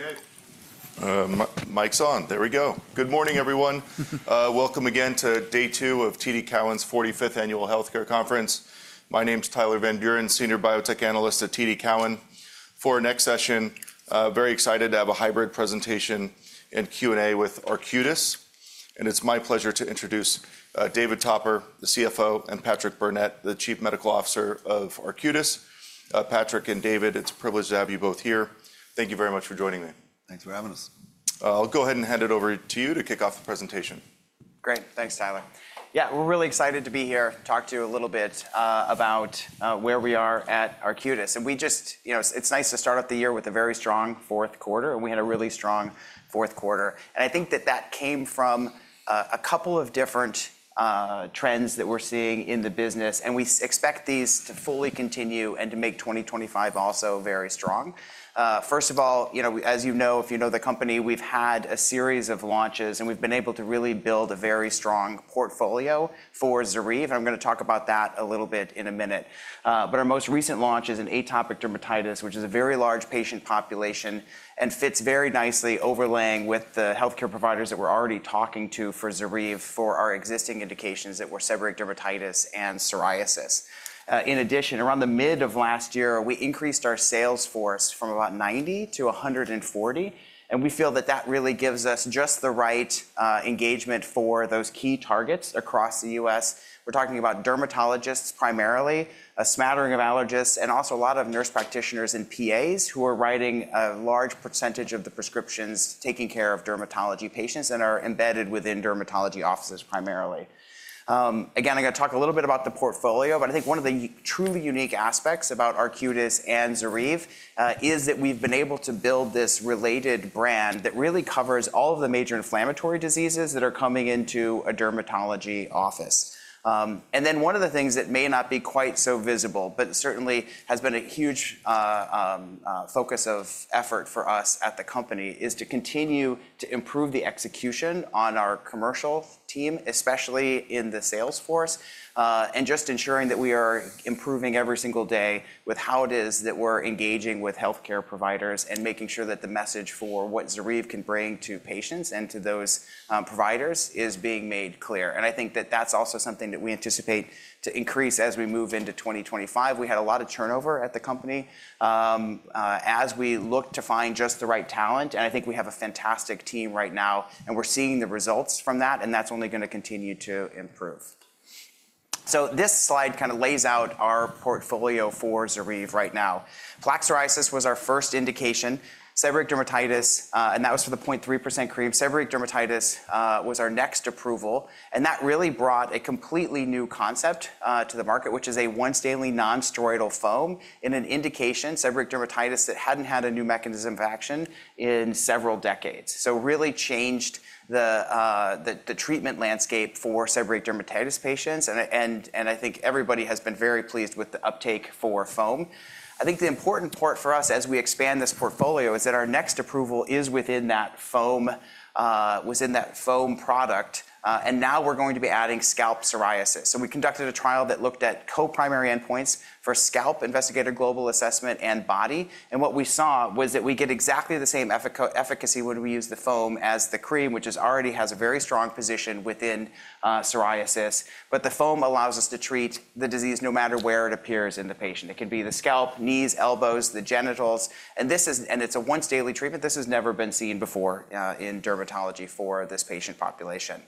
Okay. Mic's on. There we go. Good morning, everyone. Welcome again to day two of TD Cowen's 45th Annual Healthcare Conference. My name's Tyler Van Buren, Senior Biotech Analyst at TD Cowen. For our next session, very excited to have a hybrid presentation and Q&A with Arcutis. And it's my pleasure to introduce David Topper, the CFO, and Patrick Burnett, the Chief Medical Officer of Arcutis. Patrick and David, it's a privilege to have you both here. Thank you very much for joining me. Thanks for having us. I'll go ahead and hand it over to you to kick off the presentation. Great. Thanks, Tyler. Yeah, we're really excited to be here, talk to you a little bit about where we are at Arcutis. We just, you know, it's nice to start out the year with a very strong fourth quarter. We had a really strong fourth quarter. I think that that came from a couple of different trends that we're seeing in the business. We expect these to fully continue and to make 2025 also very strong. First of all, you know, as you know, if you know the company, we've had a series of launches, and we've been able to really build a very strong portfolio for ZORYVE. I'm going to talk about that a little bit in a minute. Our most recent launch is in atopic dermatitis, which is a very large patient population and fits very nicely overlaying with the healthcare providers that we're already talking to for ZORYVE for our existing indications that were seborrheic dermatitis and psoriasis. In addition, around the middle of last year, we increased our sales force from about 90 to 140. We feel that that really gives us just the right engagement for those key targets across the U.S. We're talking about dermatologists primarily, a smattering of allergists, and also a lot of nurse practitioners and PAs who are writing a large percentage of the prescriptions taking care of dermatology patients and are embedded within dermatology offices primarily. Again, I'm going to talk a little bit about the portfolio, but I think one of the truly unique aspects about Arcutis and ZORYVE is that we've been able to build this related brand that really covers all of the major inflammatory diseases that are coming into a dermatology office. One of the things that may not be quite so visible, but certainly has been a huge focus of effort for us at the company, is to continue to improve the execution on our commercial team, especially in the sales force, and just ensuring that we are improving every single day with how it is that we're engaging with healthcare providers and making sure that the message for what ZORYVE can bring to patients and to those providers is being made clear. I think that that's also something that we anticipate to increase as we move into 2025. We had a lot of turnover at the company as we looked to find just the right talent. I think we have a fantastic team right now, and we're seeing the results from that, and that's only going to continue to improve. This slide kind of lays out our portfolio for ZORYVE right now. Plaque psoriasis was our first indication, seborrheic dermatitis, and that was for the 0.3% cream. Seborrheic dermatitis was our next approval. That really brought a completely new concept to the market, which is a once-daily non-steroidal foam in an indication, seborrheic dermatitis, that had not had a new mechanism of action in several decades. It really changed the treatment landscape for seborrheic dermatitis patients. I think everybody has been very pleased with the uptake for foam. I think the important part for us as we expand this portfolio is that our next approval is within that foam product. Now we're going to be adding scalp psoriasis. We conducted a trial that looked at co-primary endpoints for scalp, investigator global assessment, and body. What we saw was that we get exactly the same efficacy when we use the foam as the cream, which already has a very strong position within psoriasis. The foam allows us to treat the disease no matter where it appears in the patient. It can be the scalp, knees, elbows, the genitals. It's a once-daily treatment. This has never been seen before in dermatology for this patient population.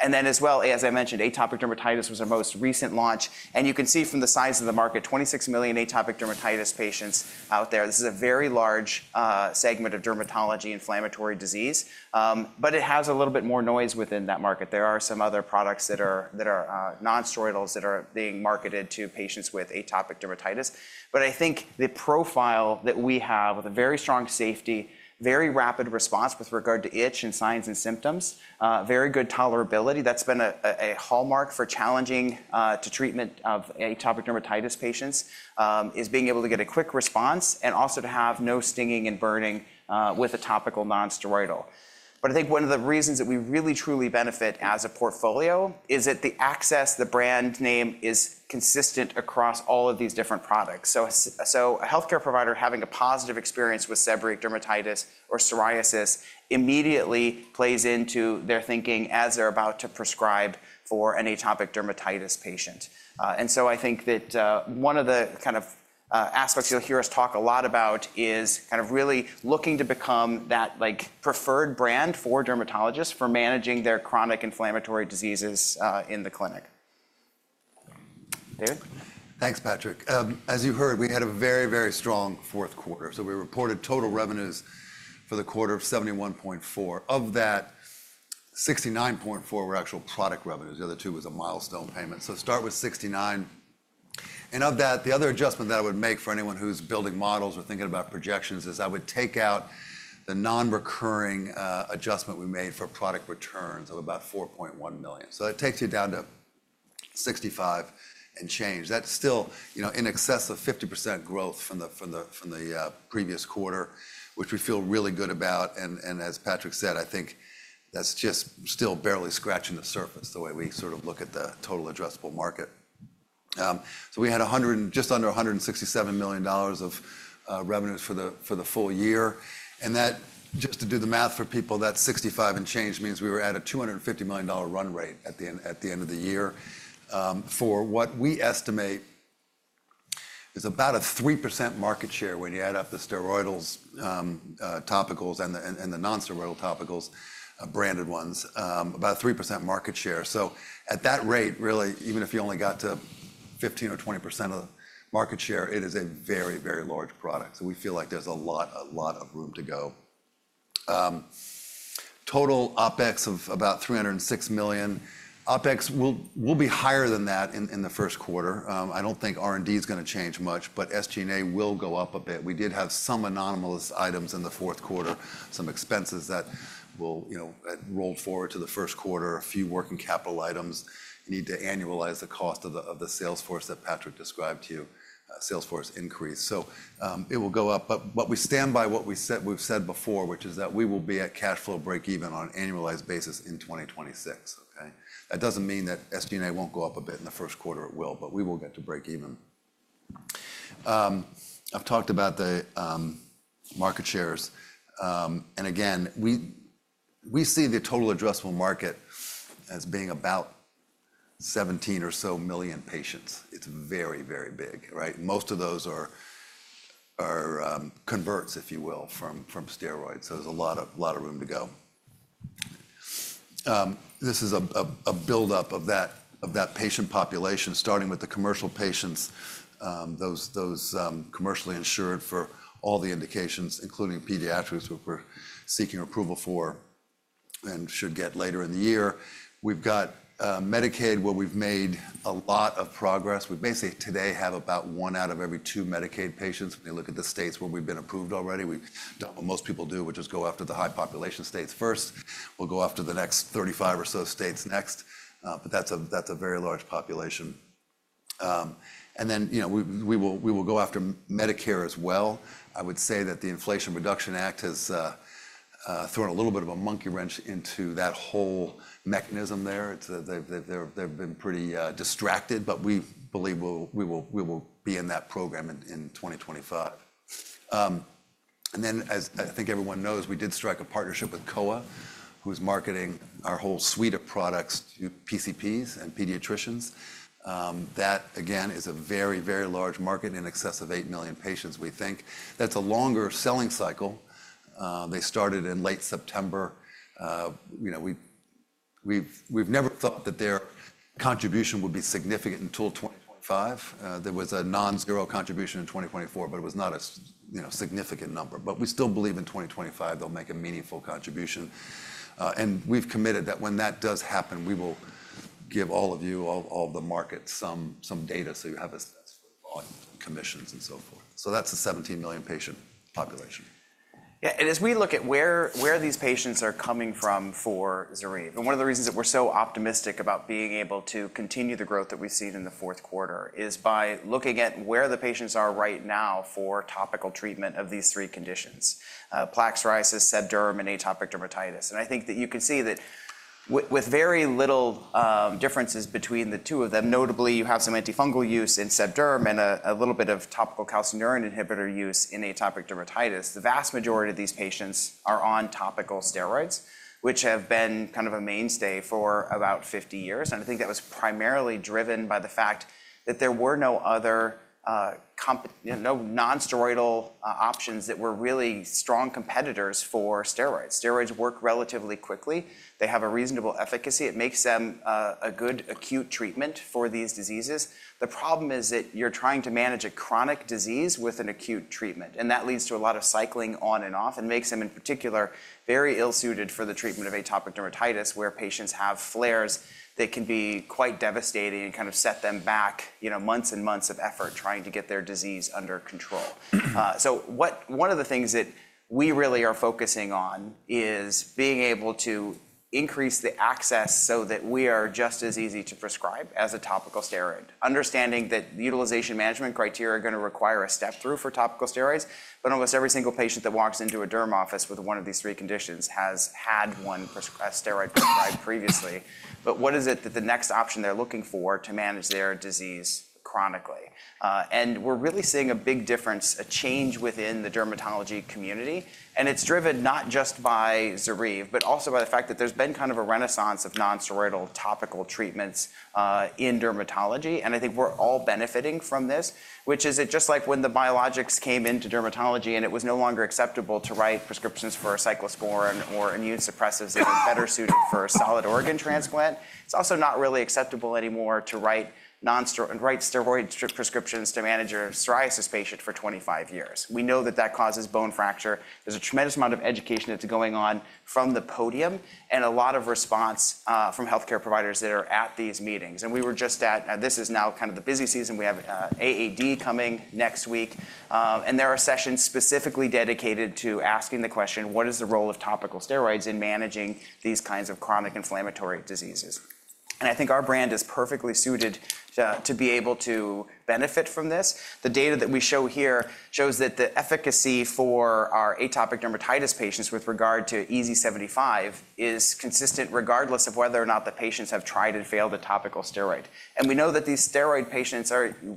As I mentioned, atopic dermatitis was our most recent launch. You can see from the size of the market, 26 million atopic dermatitis patients out there. This is a very large segment of dermatology inflammatory disease. It has a little bit more noise within that market. There are some other products that are non-steroidals that are being marketed to patients with atopic dermatitis. I think the profile that we have with a very strong safety, very rapid response with regard to itch and signs and symptoms, very good tolerability, that's been a hallmark for challenging the treatment of atopic dermatitis patients, is being able to get a quick response and also to have no stinging and burning with a topical non-steroidal. I think one of the reasons that we really, truly benefit as a portfolio is that the access, the brand name is consistent across all of these different products. A healthcare provider having a positive experience with seborrheic dermatitis or psoriasis immediately plays into their thinking as they're about to prescribe for an atopic dermatitis patient. I think that one of the kind of aspects you'll hear us talk a lot about is kind of really looking to become that preferred brand for dermatologists for managing their chronic inflammatory diseases in the clinic. David? Thanks, Patrick. As you heard, we had a very, very strong fourth quarter. We reported total revenues for the quarter of $71.4 million. Of that, $69.4 million were actual product revenues. The other $2 million was a milestone payment. Start with $69 million. The other adjustment that I would make for anyone who's building models or thinking about projections is I would take out the non-recurring adjustment we made for product returns of about $4.1 million. That takes you down to $65 million and change. That's still in excess of 50% growth from the previous quarter, which we feel really good about. As Patrick said, I think that's just still barely scratching the surface the way we sort of look at the total addressable market. We had just under $167 million of revenues for the full year. Just to do the math for people, that 65 and change means we were at a $250 million run rate at the end of the year for what we estimate is about a 3% market share when you add up the steroidals, topicals, and the non-steroidal topicals, branded ones, about a 3% market share. At that rate, really, even if you only got to 15-20% of the market share, it is a very, very large product. We feel like there's a lot of room to go. Total OpEx of about $306 million. OpEx will be higher than that in the first quarter. I do not think R&D is going to change much, but SG&A will go up a bit. We did have some anomalous items in the fourth quarter, some expenses that were rolled forward to the first quarter, a few working capital items. You need to annualize the cost of the sales force that Patrick described to you, sales force increase. It will go up. We stand by what we've said before, which is that we will be at cash flow break-even on an annualized basis in 2026. That does not mean that SG&A will not go up a bit in the first quarter. It will, but we will get to break-even. I've talked about the market shares. We see the total addressable market as being about 17 or so million patients. It's very, very big. Most of those are converts, if you will, from steroids. There is a lot of room to go. This is a buildup of that patient population, starting with the commercial patients, those commercially insured for all the indications, including pediatrics, which we're seeking approval for and should get later in the year. We've got Medicaid, where we've made a lot of progress. We basically today have about one out of every two Medicaid patients. When you look at the states where we've been approved already, we've done what most people do, which is go after the high population states first. We'll go after the next 35 or so states next. That is a very large population. We will go after Medicare as well. I would say that the Inflation Reduction Act has thrown a little bit of a monkey wrench into that whole mechanism there. They've been pretty distracted, but we believe we will be in that program in 2025. As I think everyone knows, we did strike a partnership with Kowa, who's marketing our whole suite of products to PCPs and pediatricians. That, again, is a very, very large market in excess of 8 million patients, we think. That's a longer selling cycle. They started in late September. We've never thought that their contribution would be significant until 2025. There was a non-zero contribution in 2024, but it was not a significant number. We still believe in 2025 they'll make a meaningful contribution. We've committed that when that does happen, we will give all of you, all of the market, some data so you have a sense of volume and commissions and so forth. That's a 17 million patient population. Yeah. As we look at where these patients are coming from for ZORYVE, one of the reasons that we're so optimistic about being able to continue the growth that we've seen in the fourth quarter is by looking at where the patients are right now for topical treatment of these three conditions: plaque psoriasis, seb derm, and atopic dermatitis. I think that you can see that with very little differences between the two of them, notably, you have some antifungal use in seb derm and a little bit of topical calcineurin inhibitor use in atopic dermatitis. The vast majority of these patients are on topical steroids, which have been kind of a mainstay for about 50 years. I think that was primarily driven by the fact that there were no non-steroidal options that were really strong competitors for steroids. Steroids work relatively quickly. They have a reasonable efficacy. It makes them a good acute treatment for these diseases. The problem is that you're trying to manage a chronic disease with an acute treatment. That leads to a lot of cycling on and off and makes them, in particular, very ill-suited for the treatment of atopic dermatitis, where patients have flares that can be quite devastating and kind of set them back months and months of effort trying to get their disease under control. One of the things that we really are focusing on is being able to increase the access so that we are just as easy to prescribe as a topical steroid, understanding that utilization management criteria are going to require a step-through for topical steroids. Almost every single patient that walks into a derm office with one of these three conditions has had one steroid prescribed previously. What is it that the next option they're looking for to manage their disease chronically? We're really seeing a big difference, a change within the dermatology community. It's driven not just by ZORYVE, but also by the fact that there's been kind of a renaissance of non-steroidal topical treatments in dermatology. I think we're all benefiting from this, which is that just like when the biologics came into dermatology and it was no longer acceptable to write prescriptions for cyclosporin or immune suppressors that were better suited for a solid organ transplant, it's also not really acceptable anymore to write steroid prescriptions to manage a psoriasis patient for 25 years. We know that that causes bone fracture. There's a tremendous amount of education that's going on from the podium and a lot of response from healthcare providers that are at these meetings. We were just at, this is now kind of the busy season. We have AAD coming next week. There are sessions specifically dedicated to asking the question, what is the role of topical steroids in managing these kinds of chronic inflammatory diseases? I think our brand is perfectly suited to be able to benefit from this. The data that we show here shows that the efficacy for our atopic dermatitis patients with regard to EASI-75 is consistent regardless of whether or not the patients have tried and failed a topical steroid. We know that these steroid patients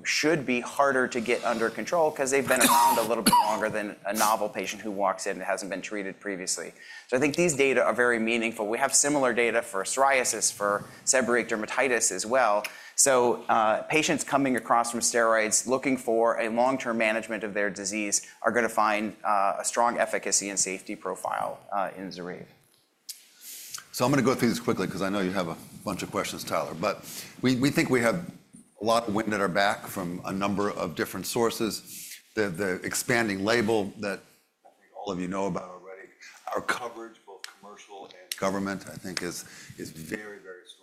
should be harder to get under control because they've been around a little bit longer than a novel patient who walks in and hasn't been treated previously. I think these data are very meaningful. We have similar data for psoriasis, for seborrheic dermatitis as well. Patients coming across from steroids looking for a long-term management of their disease are going to find a strong efficacy and safety profile in ZORYVE. I'm going to go through this quickly because I know you have a bunch of questions, Tyler. We think we have a lot of wind at our back from a number of different sources. The expanding label that I think all of you know about already, our coverage, both commercial and government, I think is very, very strong.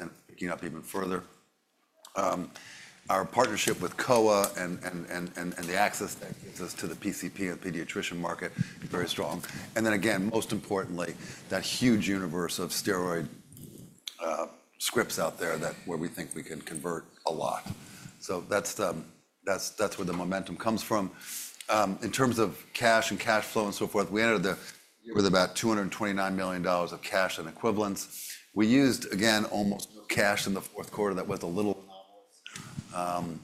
It's picking up even further. Our partnership with Kowa and the access that gives us to the PCP and pediatrician market is very strong. Most importantly, that huge universe of steroid scripts out there where we think we can convert a lot. That's where the momentum comes from. In terms of cash and cash flow and so forth, we ended the year with about $229 million of cash and equivalents. We used, again, almost no cash in the fourth quarter. That was a little anomalous.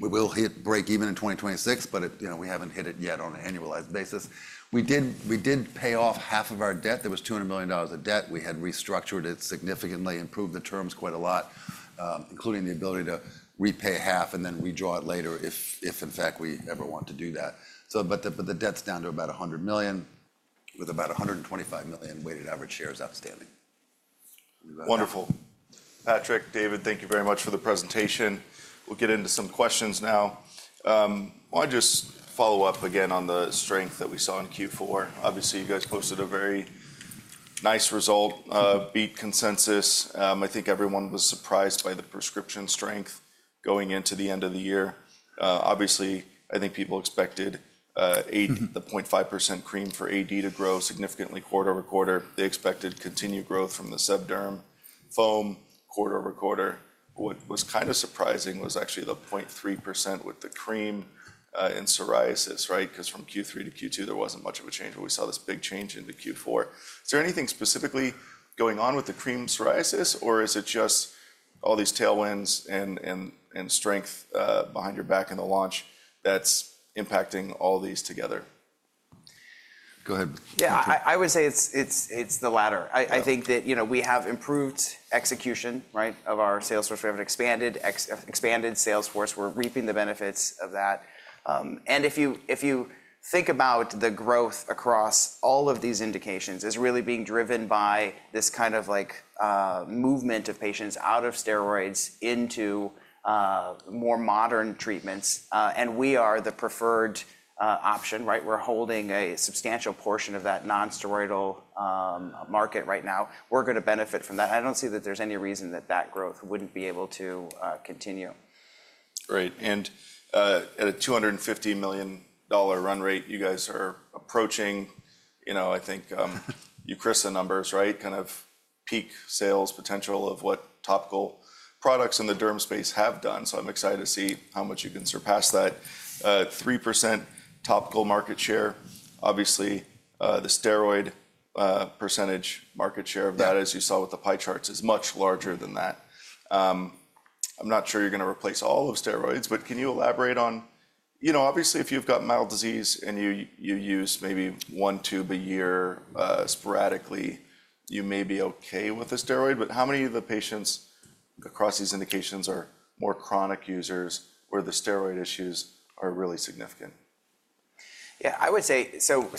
We will hit break-even in 2026, but we haven't hit it yet on an annualized basis. We did pay off half of our debt. There was $200 million of debt. We had restructured it significantly, improved the terms quite a lot, including the ability to repay half and then redraw it later if, in fact, we ever want to do that. But the debt's down to about $100 million, with about 125 million weighted average shares outstanding. Wonderful. Patrick, David, thank you very much for the presentation. We'll get into some questions now. I'll just follow up again on the strength that we saw in Q4. Obviously, you guys posted a very nice result, beat consensus. I think everyone was surprised by the prescription strength going into the end of the year. Obviously, I think people expected the 0.5% cream for AD to grow significantly quarter-over-quarter. They expected continued growth from the seb derm foam quarter-over-quarter. What was kind of surprising was actually the 0.3% with the cream in psoriasis, right? Because from Q3 to Q2, there wasn't much of a change, but we saw this big change into Q4. Is there anything specifically going on with the cream psoriasis, or is it just all these tailwinds and strength behind your back in the launch that's impacting all these together? Go ahead. Yeah. I would say it's the latter. I think that we have improved execution of our sales force. We have an expanded sales force. We're reaping the benefits of that. If you think about the growth across all of these indications, it's really being driven by this kind of movement of patients out of steroids into more modern treatments. We are the preferred option. We're holding a substantial portion of that non-steroidal market right now. We're going to benefit from that. I don't see that there's any reason that that growth wouldn't be able to continue. Great. At a $250 million run rate, you guys are approaching, I think you crossed the numbers, right? Kind of peak sales potential of what topical products in the derm space have done. I'm excited to see how much you can surpass that. 3% topical market share. Obviously, the steroid percentage market share of that, as you saw with the pie charts, is much larger than that. I'm not sure you're going to replace all of steroids, but can you elaborate on, obviously, if you've got mild disease and you use maybe one tube a year sporadically, you may be okay with a steroid. How many of the patients across these indications are more chronic users where the steroid issues are really significant? Yeah. I would say,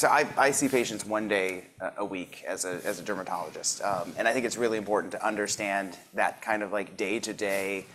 I see patients one day a week as a dermatologist. I think it's really important to understand that kind of day-to-day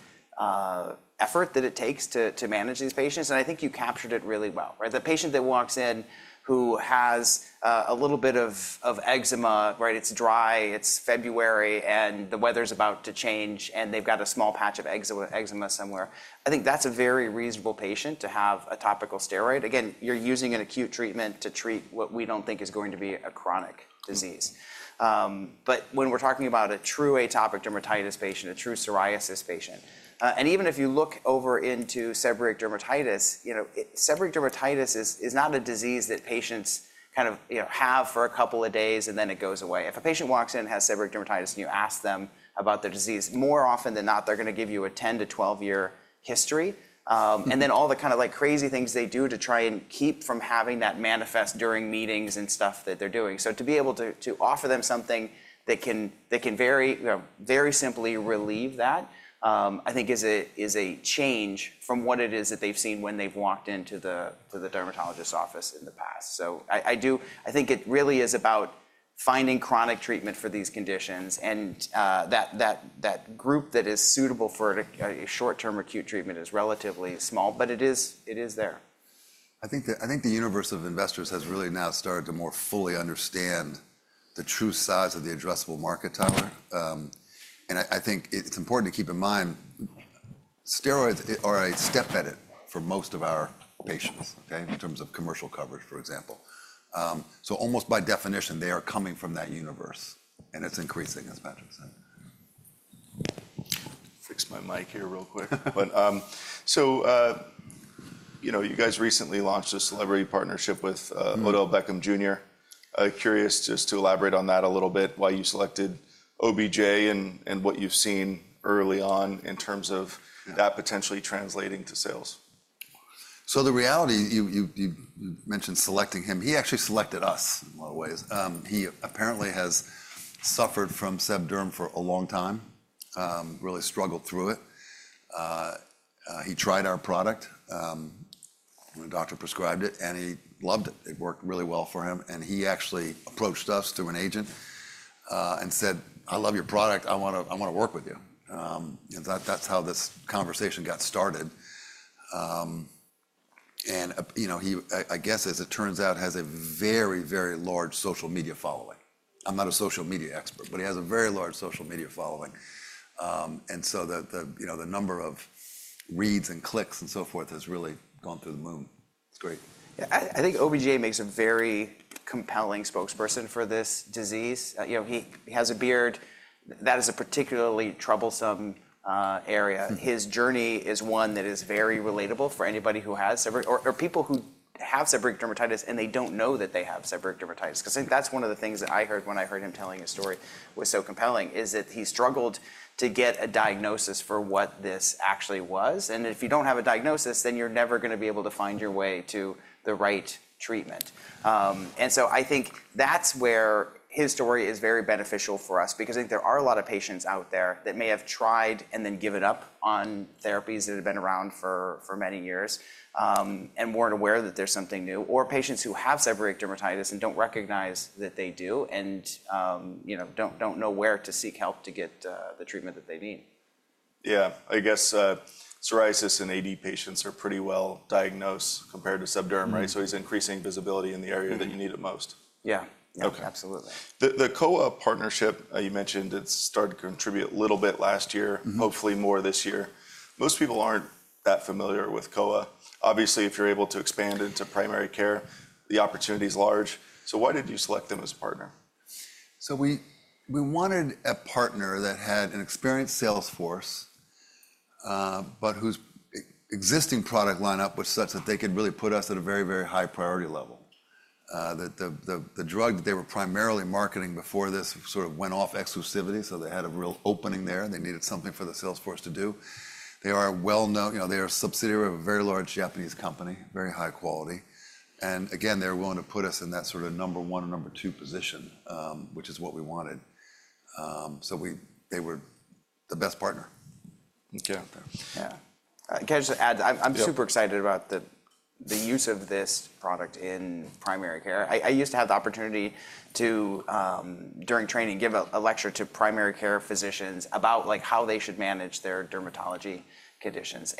effort that it takes to manage these patients. I think you captured it really well. The patient that walks in who has a little bit of eczema, it's dry, it's February, and the weather's about to change, and they've got a small patch of eczema somewhere, I think that's a very reasonable patient to have a topical steroid. Again, you're using an acute treatment to treat what we don't think is going to be a chronic disease. When we're talking about a true atopic dermatitis patient, a true psoriasis patient, and even if you look over into seborrheic dermatitis, seborrheic dermatitis is not a disease that patients kind of have for a couple of days, and then it goes away. If a patient walks in and has seborrheic dermatitis and you ask them about their disease, more often than not, they're going to give you a 10-12 year history. And then all the kind of crazy things they do to try and keep from having that manifest during meetings and stuff that they're doing. To be able to offer them something that can very simply relieve that, I think, is a change from what it is that they've seen when they've walked into the dermatologist's office in the past. I think it really is about finding chronic treatment for these conditions. That group that is suitable for a short-term acute treatment is relatively small, but it is there. I think the universe of investors has really now started to more fully understand the true size of the addressable market, Tyler. I think it's important to keep in mind steroids are a step ahead for most of our patients in terms of commercial coverage, for example. Almost by definition, they are coming from that universe. It's increasing, as Patrick said. Fix my mic here real quick. You guys recently launched a celebrity partnership with Odell Beckham Jr. Curious just to elaborate on that a little bit, why you selected OBJ and what you've seen early on in terms of that potentially translating to sales. The reality, you mentioned selecting him. He actually selected us in a lot of ways. He apparently has suffered from seb derm for a long time, really struggled through it. He tried our product. The doctor prescribed it, and he loved it. It worked really well for him. He actually approached us through an agent and said, "I love your product. I want to work with you." That's how this conversation got started. He, I guess, as it turns out, has a very, very large social media following. I'm not a social media expert, but he has a very large social media following. The number of reads and clicks and so forth has really gone through the moon. It's great. Yeah. I think OBJ makes a very compelling spokesperson for this disease. He has a beard. That is a particularly troublesome area. His journey is one that is very relatable for anybody who has seborrheic or people who have seborrheic dermatitis and they don't know that they have seborrheic dermatitis. I think that's one of the things that I heard when I heard him telling his story was so compelling, is that he struggled to get a diagnosis for what this actually was. If you don't have a diagnosis, then you're never going to be able to find your way to the right treatment. I think that's where his story is very beneficial for us. Because I think there are a lot of patients out there that may have tried and then given up on therapies that have been around for many years and were not aware that there is something new, or patients who have seborrheic dermatitis and do not recognize that they do and do not know where to seek help to get the treatment that they need. Yeah. I guess psoriasis and AD patients are pretty well diagnosed compared to seb derm, right? So he's increasing visibility in the area that you need it most. Yeah. Absolutely. The Kowa partnership, you mentioned it started to contribute a little bit last year, hopefully more this year. Most people aren't that familiar with Kowa. Obviously, if you're able to expand into primary care, the opportunity is large. Why did you select them as a partner? We wanted a partner that had an experienced sales force, but whose existing product lineup was such that they could really put us at a very, very high priority level. The drug that they were primarily marketing before this sort of went off exclusivity. They had a real opening there. They needed something for the sales force to do. They are well-known, they are a subsidiary of a very large Japanese company, very high quality. Again, they were willing to put us in that sort of number one or number two position, which is what we wanted. They were the best partner. Yeah. Can I just add, I'm super excited about the use of this product in primary care. I used to have the opportunity to, during training, give a lecture to primary care physicians about how they should manage their dermatology conditions.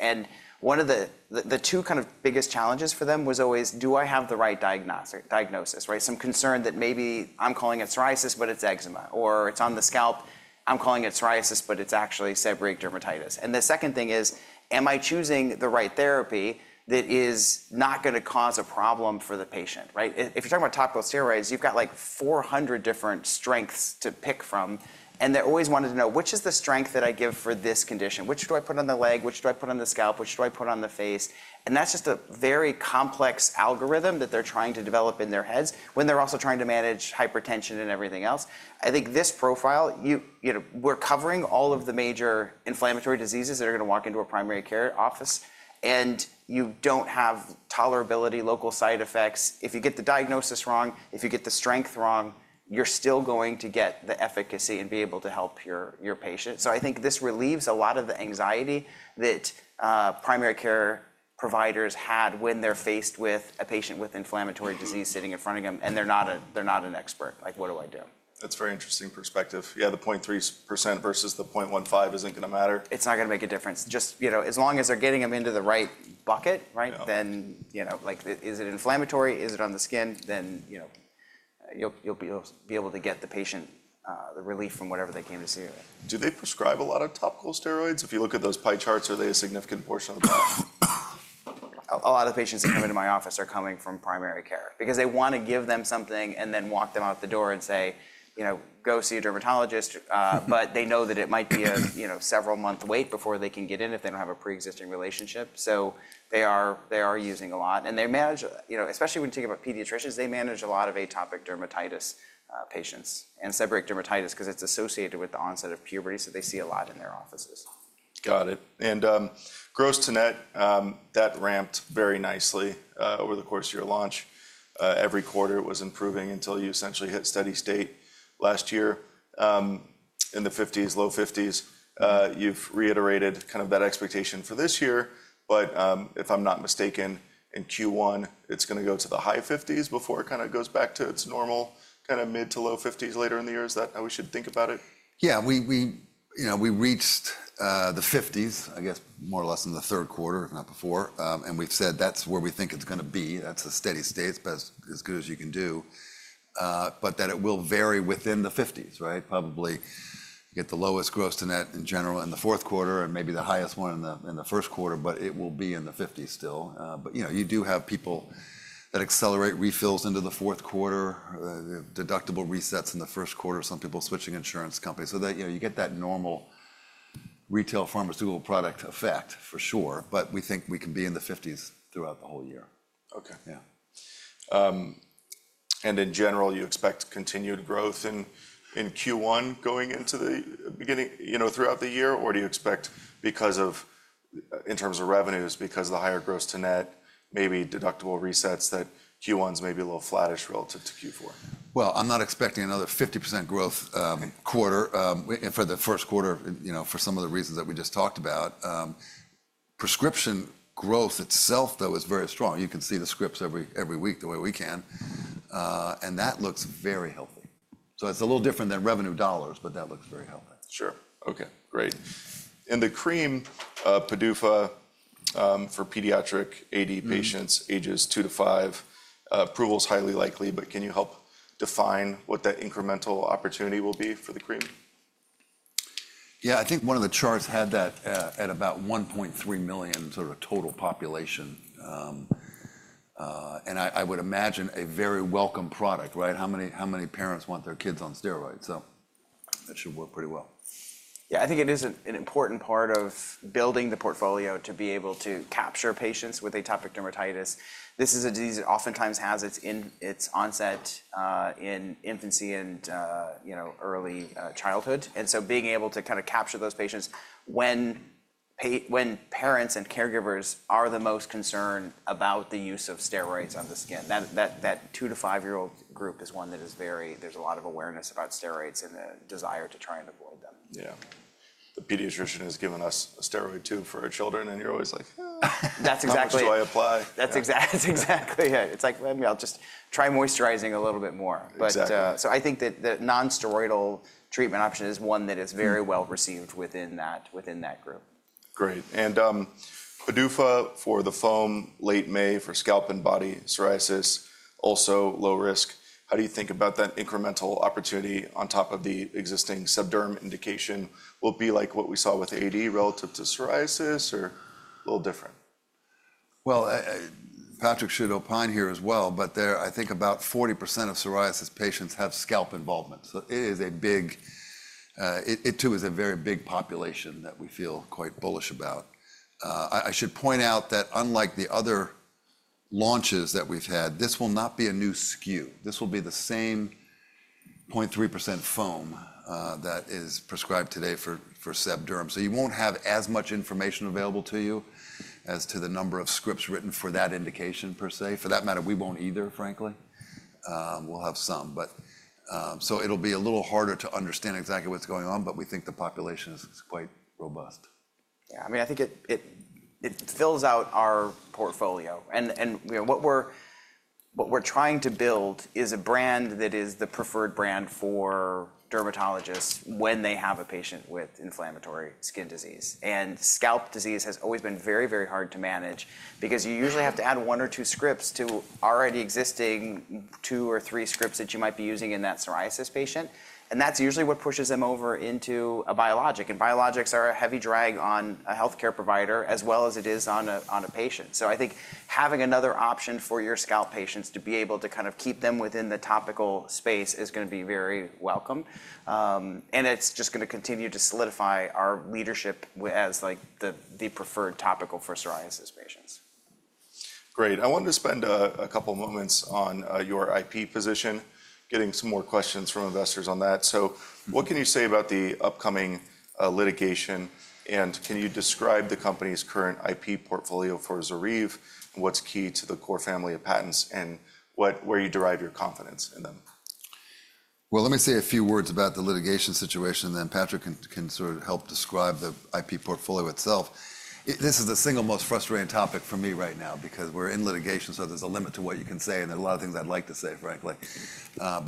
One of the two kind of biggest challenges for them was always, do I have the right diagnosis? Some concern that maybe I'm calling it psoriasis, but it's eczema. Or it's on the scalp, I'm calling it psoriasis, but it's actually seborrheic dermatitis. The second thing is, am I choosing the right therapy that is not going to cause a problem for the patient? If you're talking about topical steroids, you've got like 400 different strengths to pick from. They always wanted to know, which is the strength that I give for this condition? Which do I put on the leg? Which do I put on the scalp? Which do I put on the face? That is just a very complex algorithm that they are trying to develop in their heads when they are also trying to manage hypertension and everything else. I think this profile, we are covering all of the major inflammatory diseases that are going to walk into a primary care office. You do not have tolerability, local side effects. If you get the diagnosis wrong, if you get the strength wrong, you are still going to get the efficacy and be able to help your patient. I think this relieves a lot of the anxiety that primary care providers had when they are faced with a patient with inflammatory disease sitting in front of them and they are not an expert. Like, what do I do? That's a very interesting perspective. Yeah, the 0.3% versus the 0.15% isn't going to matter. It's not going to make a difference. Just as long as they're getting them into the right bucket, then is it inflammatory? Is it on the skin? Then you'll be able to get the patient the relief from whatever they came to see you with. Do they prescribe a lot of topical steroids? If you look at those pie charts, are they a significant portion of that? A lot of patients that come into my office are coming from primary care because they want to give them something and then walk them out the door and say, go see a dermatologist. They know that it might be a several-month wait before they can get in if they don't have a pre-existing relationship. They are using a lot. They manage, especially when you think about pediatricians, they manage a lot of atopic dermatitis patients and seborrheic dermatitis because it's associated with the onset of puberty. They see a lot in their offices. Got it. Gross to net ramped very nicely over the course of your launch. Every quarter it was improving until you essentially hit steady state last year in the 50s, low 50s. You have reiterated kind of that expectation for this year. If I am not mistaken, in Q1, it is going to go to the high 50s before it goes back to its normal kind of mid to low 50s later in the year. Is that how we should think about it? Yeah. We reached the 50s, I guess, more or less in the third quarter, if not before. We have said that is where we think it is going to be. That is a steady state, as good as you can do. It will vary within the 50s, right? Probably get the lowest gross to net in general in the fourth quarter and maybe the highest one in the first quarter, but it will be in the 50s still. You do have people that accelerate refills into the fourth quarter, deductible resets in the first quarter, some people switching insurance companies. You get that normal retail pharmaceutical product effect, for sure. We think we can be in the 50s throughout the whole year. Okay. In general, you expect continued growth in Q1 going into the beginning throughout the year? You expect, in terms of revenues, because of the higher gross to net, maybe deductible resets, that Q1's may be a little flattish relative to Q4? I'm not expecting another 50% growth quarter for the first quarter for some of the reasons that we just talked about. Prescription growth itself, though, is very strong. You can see the scripts every week the way we can. And that looks very healthy. It is a little different than revenue dollars, but that looks very healthy. Sure. Okay. Great. And the cream PDUFA for pediatric AD patients, ages two to five, approval is highly likely. But can you help define what that incremental opportunity will be for the cream? Yeah. I think one of the charts had that at about 1.3 million sort of total population. I would imagine a very welcome product, right? How many parents want their kids on steroids? That should work pretty well. Yeah. I think it is an important part of building the portfolio to be able to capture patients with atopic dermatitis. This is a disease that oftentimes has its onset in infancy and early childhood. Being able to kind of capture those patients when parents and caregivers are the most concerned about the use of steroids on the skin. That 2 to 5-year-old group is one that is very, there's a lot of awareness about steroids and the desire to try and avoid them. Yeah. The pediatrician has given us a steroid tube for our children. And you're always like, how much do I apply? That's exactly it. It's like, maybe I'll just try moisturizing a little bit more. I think that the non-steroidal treatment option is one that is very well received within that group. Great. And PDUFA for the foam, late May for scalp and body psoriasis, also low risk. How do you think about that incremental opportunity on top of the existing seb derm indication? Will it be like what we saw with AD relative to psoriasis or a little different? Patrick should opine here as well. I think about 40% of psoriasis patients have scalp involvement. It is a big, it too is a very big population that we feel quite bullish about. I should point out that unlike the other launches that we've had, this will not be a new SKU. This will be the same 0.3% foam that is prescribed today for seb derm. You won't have as much information available to you as to the number of scripts written for that indication per se. For that matter, we won't either, frankly. We'll have some. It will be a little harder to understand exactly what's going on. We think the population is quite robust. Yeah. I mean, I think it fills out our portfolio. What we're trying to build is a brand that is the preferred brand for dermatologists when they have a patient with inflammatory skin disease. Scalp disease has always been very, very hard to manage because you usually have to add one or two scripts to already existing two or three scripts that you might be using in that psoriasis patient. That's usually what pushes them over into a biologic. Biologics are a heavy drag on a health care provider as well as it is on a patient. I think having another option for your scalp patients to be able to kind of keep them within the topical space is going to be very welcome. It's just going to continue to solidify our leadership as the preferred topical for psoriasis patients. Great. I wanted to spend a couple of moments on your IP position, getting some more questions from investors on that. What can you say about the upcoming litigation? Can you describe the company's current IP portfolio for ZORYVE and what's key to the core family of patents and where you derive your confidence in them? Let me say a few words about the litigation situation. Then Patrick can sort of help describe the IP portfolio itself. This is the single most frustrating topic for me right now because we're in litigation. There is a limit to what you can say. There are a lot of things I'd like to say, frankly.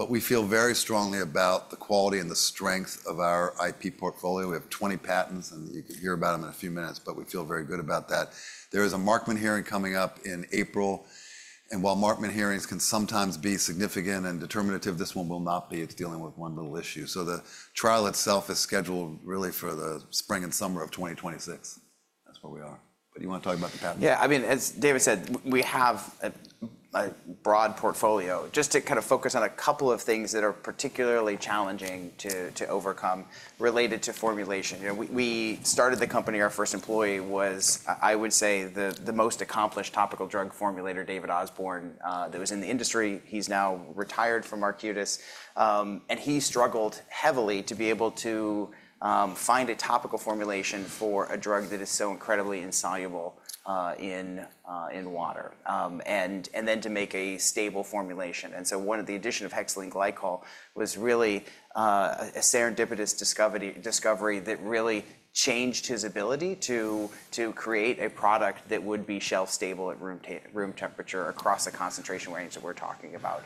We feel very strongly about the quality and the strength of our IP portfolio. We have 20 patents. You can hear about them in a few minutes. We feel very good about that. There is a Markman hearing coming up in April. While Markman hearings can sometimes be significant and determinative, this one will not be. It's dealing with one little issue. The trial itself is scheduled really for the spring and summer of 2026. That's where we are. You want to talk about the patent? Yeah. I mean, as David said, we have a broad portfolio. Just to kind of focus on a couple of things that are particularly challenging to overcome related to formulation. We started the company, our first employee was, I would say, the most accomplished topical drug formulator, David Osborne. That was in the industry. He's now retired from Arcutis. He struggled heavily to be able to find a topical formulation for a drug that is so incredibly insoluble in water. To make a stable formulation. One of the additions of hexylene glycol was really a serendipitous discovery that really changed his ability to create a product that would be shelf stable at room temperature across the concentration range that we're talking about.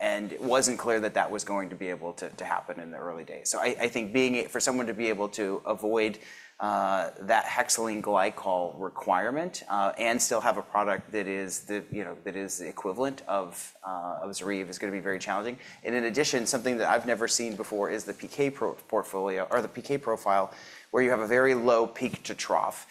It wasn't clear that that was going to be able to happen in the early days. I think for someone to be able to avoid that hexylene glycol requirement and still have a product that is the equivalent of ZORYVE is going to be very challenging. In addition, something that I've never seen before is the PK profile where you have a very low peak to trough.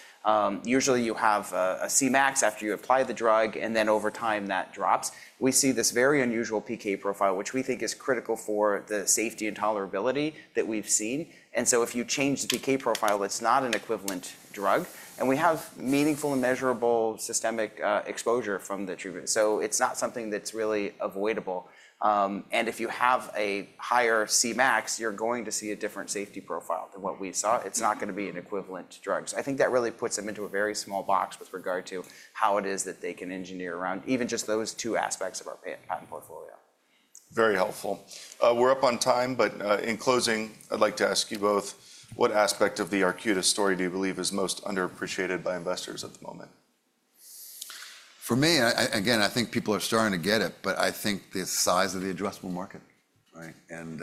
Usually, you have a Cmax after you apply the drug, and then over time, that drops. We see this very unusual PK profile, which we think is critical for the safety and tolerability that we've seen. If you change the PK profile, it's not an equivalent drug. We have meaningful and measurable systemic exposure from the treatment, so it's not something that's really avoidable. If you have a higher Cmax, you're going to see a different safety profile than what we saw. It's not going to be an equivalent drug. I think that really puts them into a very small box with regard to how it is that they can engineer around even just those two aspects of our patent portfolio. Very helpful. We're up on time. In closing, I'd like to ask you both, what aspect of the Arcutis story do you believe is most underappreciated by investors at the moment? For me, again, I think people are starting to get it. I think the size of the addressable market, right? And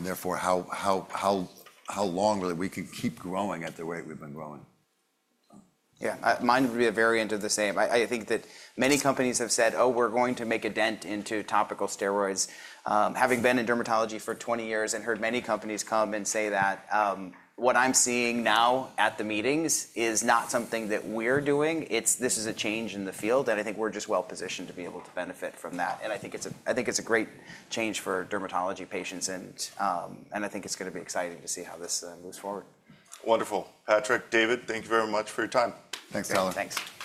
therefore, how long that we can keep growing at the rate we've been growing. Yeah. Mine would be a variant of the same. I think that many companies have said, oh, we're going to make a dent into topical steroids. Having been in dermatology for 20 years and heard many companies come and say that, what I'm seeing now at the meetings is not something that we're doing. This is a change in the field. I think we're just well positioned to be able to benefit from that. I think it's a great change for dermatology patients. I think it's going to be exciting to see how this moves forward. Wonderful. Patrick, David, thank you very much for your time. Thanks, Tyler. Thanks.